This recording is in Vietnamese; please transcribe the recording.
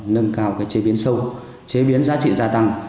nâng cao chế biến sâu chế biến giá trị gia tăng